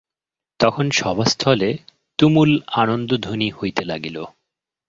তখন সভাস্থলে তুমুল আনন্দধ্বনি হইতে লাগিল।